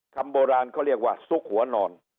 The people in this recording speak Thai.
คำโบราณเขาเรียกว่าซุกหัวนอน